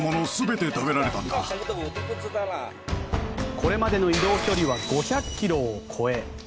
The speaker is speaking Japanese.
これまでの移動距離は５００ｋｍを超え